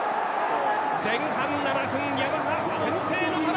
前半７分ヤマハ先制のトライ！